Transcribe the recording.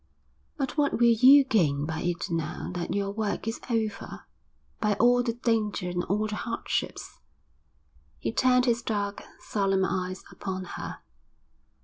'But what will you gain by it now that your work is over by all the danger and all the hardships?' He turned his dark, solemn eyes upon her.